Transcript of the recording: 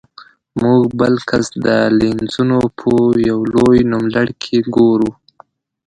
موږ بل کس د لینزونو په یو لوی نوملړ کې ګورو.